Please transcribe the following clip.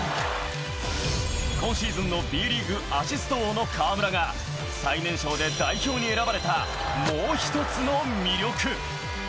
今シーズンのＢリーグアシスト王の河村が、最年少で代表に選ばれた、もう１つの魅力。